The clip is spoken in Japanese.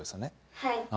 はい。